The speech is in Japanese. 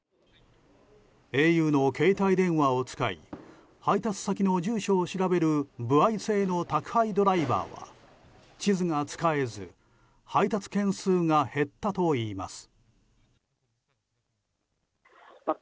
ａｕの携帯電話を使い配達先の住所を調べる歩合制の宅配ドライバーは地図が使えず配達件数が減ったといいます。